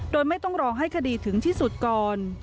โดยไม่ต้องรอให้คดีถึงที่สุดก่อน